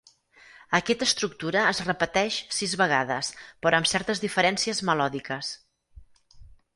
Aquesta estructura es repeteix sis vegades, però amb certes diferències melòdiques.